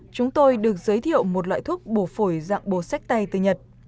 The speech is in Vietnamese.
chúng tôi được giới thiệu một loại thuốc bồ phổi dạng bồ sách tay từ nhật